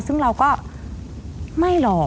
ซึ่งเราก็ไม่หรอก